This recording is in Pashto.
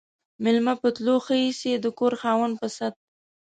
ميلمه په تلو ښه ايسي ، د کور خاوند په ست.